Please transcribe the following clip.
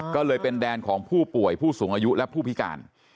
ก็เลยเป็นแดนของผู้ป่วยผู้สูงอายุและผู้พิการ